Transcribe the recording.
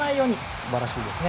素晴らしいですね。